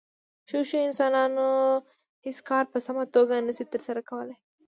شو شو انسانان هېڅ کار په سمه توګه نشي ترسره کولی.